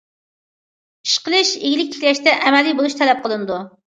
ئىش قىلىش، ئىگىلىك تىكلەشتە ئەمەلىي بولۇش تەلەپ قىلىنىدۇ.